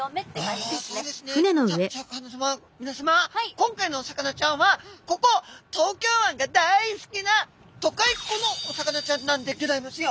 今回のお魚ちゃんはここ東京湾が大好きな都会っ子のお魚ちゃんなんでギョざいますよ。